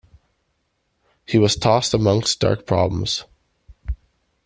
He was tossed amongst dark problems.